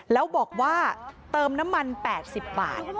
แล้วบอกว่าเติมน้ำมัน๘๐บาท